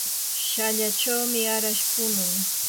shallachawmi arash punun.